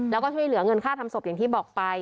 แล้วก็ช่วยเหลือเงินค่าทำศพอย่างที่บอกไป